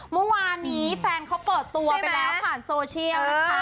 เมื่อวานนี้แฟนเขาเปิดตัวไปแล้วผ่านโซเชียลนะคะ